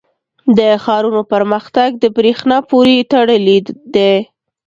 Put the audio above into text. • د ښارونو پرمختګ د برېښنا پورې تړلی دی.